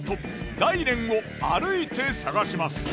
大輦を歩いて探します。